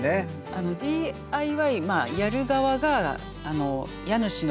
ＤＩＹやる側が家主の制限